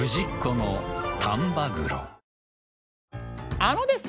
あのですね